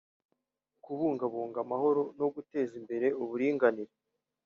kubungabunga amahoro no guteza imbere uburinganire